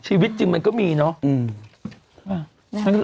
ชีวิตจริงมันก็มีเนอะ